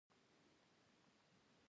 دیوالي د رڼاګانو جشن دی.